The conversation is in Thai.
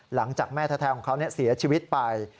หลังจากแม่แท้ของเขาเสียชีวิตไป